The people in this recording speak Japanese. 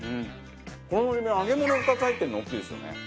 こののり弁揚げ物２つ入ってるの大きいですよね。